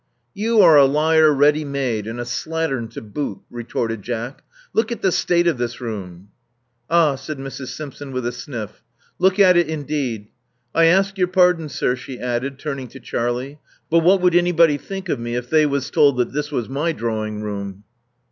'You are a liar ready made, and a slattern to boot," retorted Jack. Look at the state of this room." '*Ah," said Mrs. Simpson, with a sniff. Look at it indeed. I ask your pardon, sir," she added, turning to Charlie, but what would anybody think of me if they was told that this was my drawing room?"